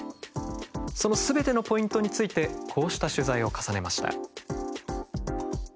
そのすべてのポイントについてこうした取材を重ねました。